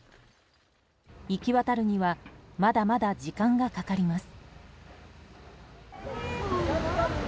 行きわたるにはまだまだ時間がかかります。